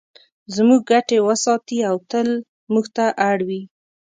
زموږ ګټې وساتي او تل موږ ته اړ وي.